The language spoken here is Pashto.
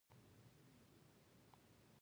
هره ورځ نیم ساعت کتاب لوستل عادت وګرځوئ.